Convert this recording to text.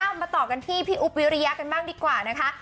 มาต่อกันที่พี่อุ๊บวิริยะกันบ้างดีกว่านะคะ